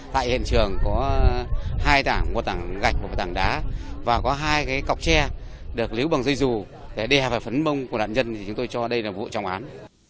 tại hiện trường có hai tảng một tảng gạch một tảng đá và có hai cái cọc tre được lưu bằng dây dù để đe vào phấn mông của nạn nhân thì chúng tôi cho đây là một vụ trọng án